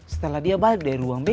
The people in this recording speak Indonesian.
setelah dia balik dari ruang b